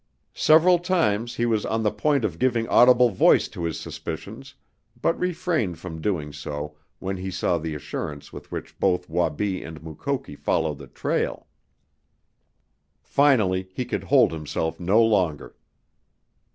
Several times he was on the point of giving audible voice to his suspicions but refrained from doing so when he saw the assurance with which both Wabi and Mukoki followed the trail. Finally he could hold himself no longer.